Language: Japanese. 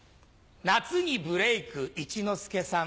夏にブレイク一之輔さん